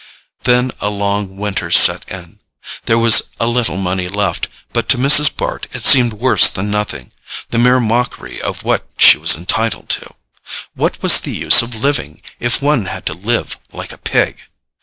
Then a long winter set in. There was a little money left, but to Mrs. Bart it seemed worse than nothing—the mere mockery of what she was entitled to. What was the use of living if one had to live like a pig?